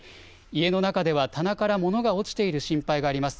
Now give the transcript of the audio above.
家の中では棚から物が落ちている心配があります。